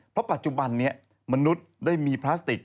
เพราะปัจจุบันนี้มนุษย์ได้มีพลาสติก